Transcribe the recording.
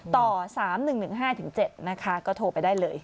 ต่อ๓๑๑๕๗นะคะก็โทรไปได้เลย